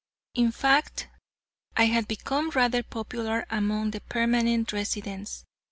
In fact, I had become rather popular among the permanent residents.